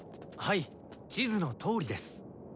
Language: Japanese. はい地図のとおりです。